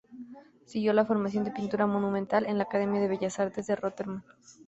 Siguió la formación de pintura monumental en la Academia de Bellas Artes de Róterdam.